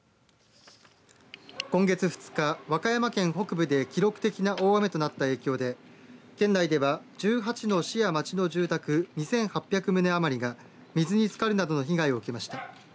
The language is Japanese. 今月２日、和歌山県北部で記録的な大雨となった影響で県内では１８の市や町の住宅２８００棟余りが水につかるなどの被害を受けました。